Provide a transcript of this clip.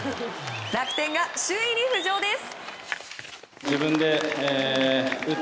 楽天が首位に浮上です。